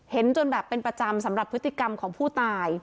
จนแบบเป็นประจำสำหรับพฤติกรรมของผู้ตาย